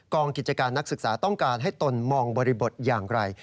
กิจการนักศึกษาต้องการให้ตนมองบริบทอย่างไร